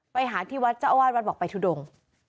ไปหาที่วัดเจ้าอาวาสวัดบอกไปทุดง